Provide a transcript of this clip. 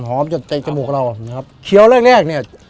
หอมจะเตะจมูกเรานะครับเคี้ยวเรื่องแรกเนี้ย